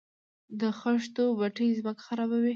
د خښتو بټۍ ځمکه خرابوي؟